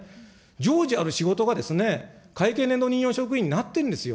常時ある仕事が、会計年度任用職員になってるんですよ。